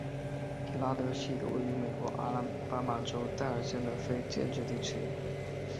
迪拉德是一个位于美国阿拉巴马州戴尔县的非建制地区。